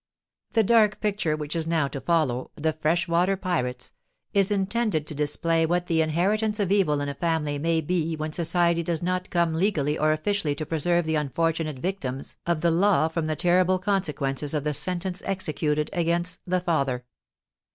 The dark picture which is now to follow The Freshwater Pirates is intended to display what the inheritance of evil in a family may be when society does not come legally or officially to preserve the unfortunate victims of the law from the terrible consequences of the sentence executed against the father.